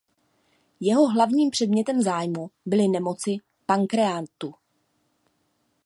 Jeho hlavním předmětem zájmu byly nemoci pankreatu.